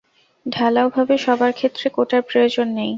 ঢালাওভাবে সবার ক্ষেত্রে কোটার প্রয়োজন নেই।